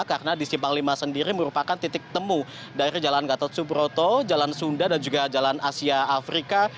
karena di simpang lima sendiri merupakan titik temu dari jalan gatot subroto jalan sunda dan juga jalan asia afrika